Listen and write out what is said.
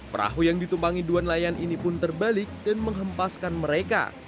perahu yang ditumpangi dua nelayan ini pun terbalik dan menghempaskan mereka